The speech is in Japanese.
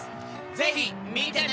ぜひ見てね！